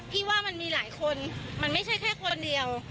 ว่ามันมีหลายคนมันไม่ใช่แค่คนเดียว